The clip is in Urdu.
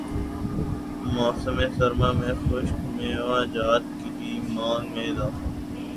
موسم سرما میں خشک میوہ جات کی مانگ میں اضافہ